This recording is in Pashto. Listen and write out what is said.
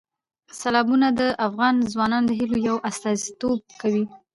سیلابونه د افغان ځوانانو د هیلو یو استازیتوب کوي.